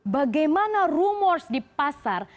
bagaimana rumor di pasar